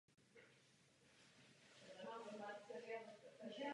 Uvádí se tehdy jako obyvatel obce Nová Bašta.